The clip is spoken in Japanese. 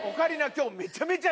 今日。